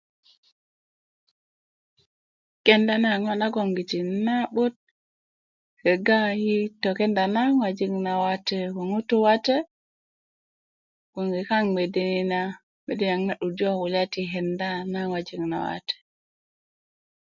kenda na a ŋo nagologiti na'but kega i tokenda na̵ ŋojik nawate ko ŋutu wate bgenge kaŋ mede ni na mede niyaŋ 'durjö ko kulya ti kenda na ŋojik nawate